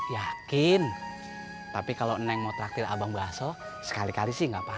yakin tapi kalau neng mau traktir abang baso sekali kali sih gak apa apa